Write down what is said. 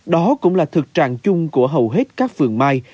đó cũng là thực trạng chung của hầu hết các phường mai